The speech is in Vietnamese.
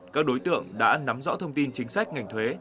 các đối tượng đã nắm rõ thông tin chính sách ngành thuế